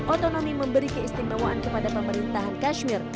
otonomi memberi keistimewaan kepada pemerintahan kashmir